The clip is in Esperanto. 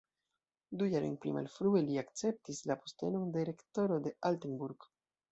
Du jarojn pli malfrue li akceptis la postenon de rektoro en Altenburg.